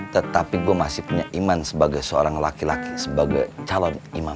tetapi gue masih punya iman sebagai seorang laki laki sebagai calon iman